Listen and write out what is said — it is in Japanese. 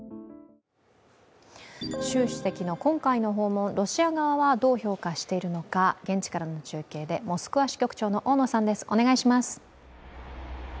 習主席の今回の訪問、ロシア側はどう評価しているのか現地からの中継で、モスクワ支局長の大野さんです。